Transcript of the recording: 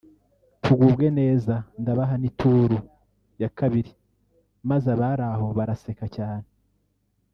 tugubwe neza ndabaha n’ituru (tour) ya kabiri” maze abari aho baraseka cyane